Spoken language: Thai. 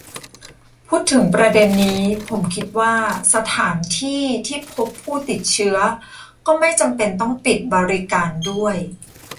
พูดถึงประเด็นนี้ ผมคิดว่าสถานที่ที่พบผู้ติดเชื้อก็ไม่จำเป็นต้องปิดบริการด้วย